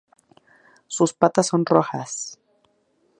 Sus patas son rojas.